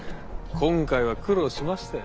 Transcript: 今回は苦ろうしましたよ